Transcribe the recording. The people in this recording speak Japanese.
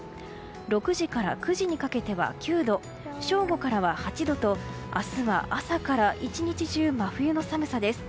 ６時から９時にかけては９度正午からは８度と明日は朝から１日中真冬の寒さです。